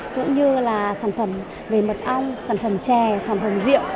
cũng như là sản phẩm về mật ong sản phẩm chè sản phẩm rượu